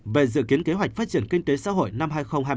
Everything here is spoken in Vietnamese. về dự kiến kế hoạch phát triển kinh tế xã hội năm hai nghìn hai mươi